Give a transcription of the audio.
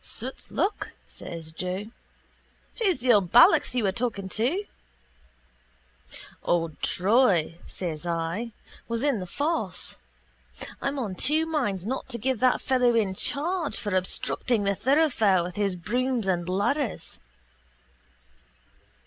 —Soot's luck, says Joe. Who's the old ballocks you were talking to? —Old Troy, says I, was in the force. I'm on two minds not to give that fellow in charge for obstructing the thoroughfare with his brooms and ladders.